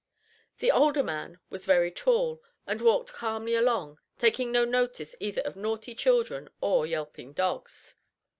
The older man was very tall, and walked calmly along, taking no notice either of naughty children or yelping dogs.